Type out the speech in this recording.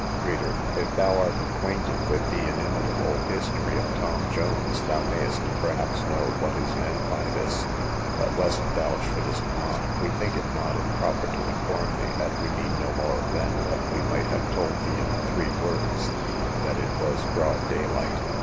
Reader, if thou art acquainted with the inimitable history of Tom Jones, thou mayest perhaps know what is meant by this; but, lest thou shouldest not, we think it not improper to inform thee, that we mean no more than what we might have told thee in three words, that it was broad day light.